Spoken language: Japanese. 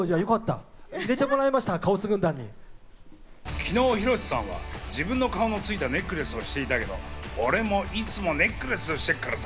昨日、広瀬さんは自分の顔のついたネックレスをしていたけど、俺もいつも、ネックレスしてっからさ！